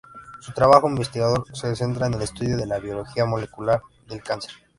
Su trabajo investigador se centra en el estudio de la biología molecular del cáncer.